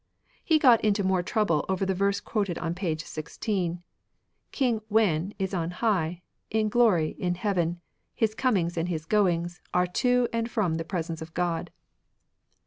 He got into more trouble over the verse quoted on page 16, King WSn is on high, In glory in heaven. His comings and his goings Are to and from the presence of God.